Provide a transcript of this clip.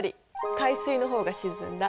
海水の方が沈んだ。